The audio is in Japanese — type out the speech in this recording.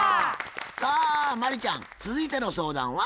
さあ真理ちゃん続いての相談は？